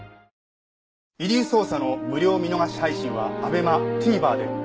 『遺留捜査』の無料見逃し配信はＡＢＥＭＡＴＶｅｒで。